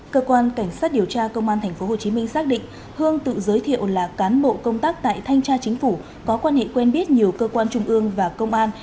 cơ quan cảnh sát điều tra công an tp hcm xác định hương tự giới thiệu là cán bộ công tác tại thanh tra chính phủ có quan hệ quen biết nhiều cơ quan trung ương và công an